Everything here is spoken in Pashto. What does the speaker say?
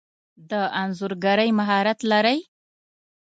د انځورګری مهارت لرئ؟